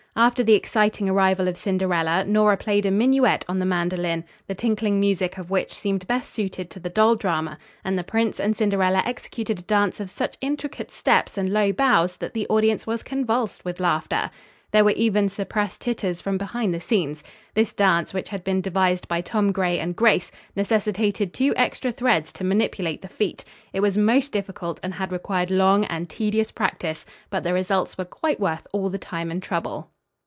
After the exciting arrival of Cinderella, Nora played a minuet on the mandolin, the tinkling music of which seemed best suited to the doll drama, and the prince and Cinderella executed a dance of such intricate steps and low bows that the audience was convulsed with laughter. There were even suppressed titters from behind the scenes. This dance, which had been devised by Tom Gray and Grace, necessitated two extra threads to manipulate the feet. It was most difficult and had required long and tedious practice, but the results were quite worth all the time and trouble.